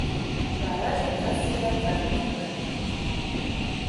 Варажым кас еда карт тӱҥале.